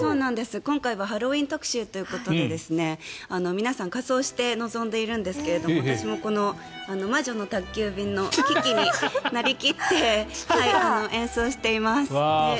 今回はハロウィーン特集ということで皆さん仮装して臨んでいるんですが私も「魔女の宅急便」のキキになり切って演奏しています。